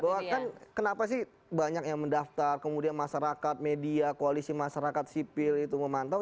bahwa kan kenapa sih banyak yang mendaftar kemudian masyarakat media koalisi masyarakat sipil itu memantau